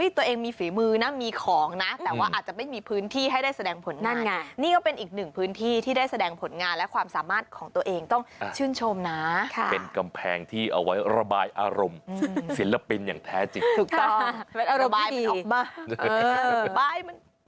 ที่เอาไว้ระบายอารมณ์ศิลปินอย่างแท้จริงถูกต้องระบายมันออกมาปลายมันออกไปเลย